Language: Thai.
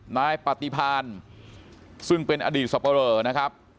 นายปฏิพานซึ่งเป็นอดีตสับปะเรอนะครับ